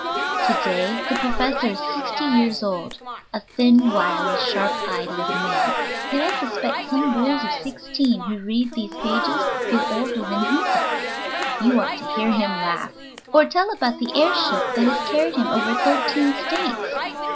To day the professor is sixty years old (a thin, wiry, sharp eyed little man), yet I suspect some boys of sixteen who read these pages feel older than he does. You ought to hear him laugh! or tell about the air ship that has carried him over thirteen States!